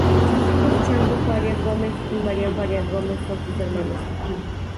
Los músicos Chango Farías Gómez y Marián Farías Gómez son sus hermanos.